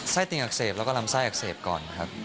ไซ่ติ่งอักเสบและลำไส้อักเสบก่อนนะครับ